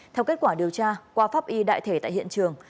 theo kết quả điều tra qua pháp y đại thể tại hiện trường